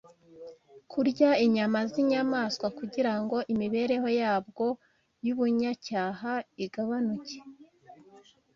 kurya inyama z’inyamaswa kugira ngo imibereho yabwo y’ubunyacyaha igabanuke.